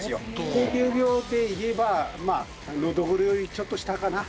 高級魚でいえばまあのどぐろよりちょっと下かな。